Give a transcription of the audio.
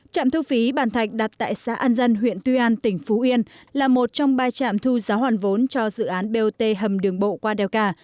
trạm thu phí bàn thạch đặt tại xã an dân huyện tuy an tỉnh phú yên là một trong ba trạm thu giá hoàn vốn cho dự án bot hầm đường bộ qua đèo cả